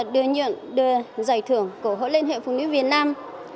được nhận giải thưởng của hội liên hiệp phụ nữ việt nam